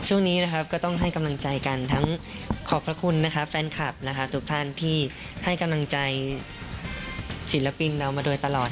ช่วงนี้นะครับก็ต้องให้กำลังใจกันทั้งขอบพระคุณนะคะแฟนคลับนะคะทุกท่านที่ให้กำลังใจศิลปินเรามาโดยตลอด